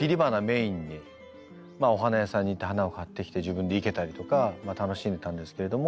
お花屋さんに行って花を買ってきて自分で生けたりとか楽しんでたんですけれども。